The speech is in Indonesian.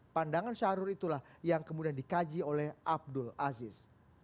pandangan syahrul itulah yang kemudian dikaji oleh abdul aziz